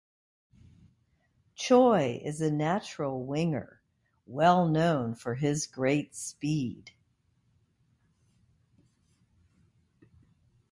Choi is a natural winger well known for his great speed.